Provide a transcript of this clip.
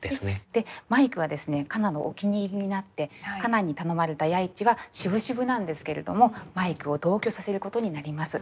でマイクはですね夏菜のお気に入りになって夏菜に頼まれた弥一はしぶしぶなんですけれどもマイクを同居させることになります。